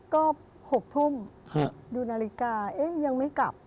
ก็๖ทุ่มดูนาฬิกายังไม่กลับ